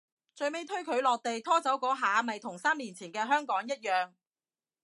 最尾推佢落地拖走嗰下咪同三年前嘅香港一樣